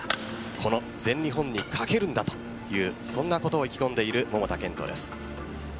この全日本にかけるんだということを意気込んでいる桃田賢斗です。